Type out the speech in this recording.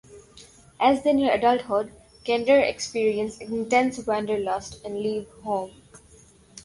As they near adulthood, kender experience intense wanderlust and leave home.